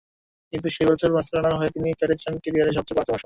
কিন্তু সেই বছরই বার্সেলোনার হয়ে তিনি কাটিয়েছিলেন ক্যারিয়ারের সবচেয়ে বাজে মৌসুম।